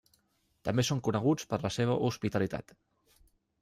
També són coneguts per la seva hospitalitat.